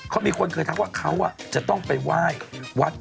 เขามีคนเคยทักว่าเขาจะต้องไปไหว้วัด